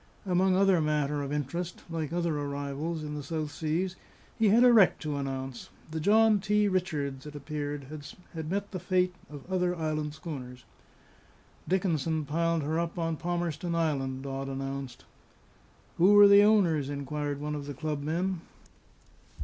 Among other matter of interest, like other arrivals in the South Seas, he had a wreck to announce. The John T. Richards, it appeared, had met the fate of other island schooners. "Dickinson piled her up on Palmerston Island," Dodd announced. "Who were the owners?" inquired one of the club men.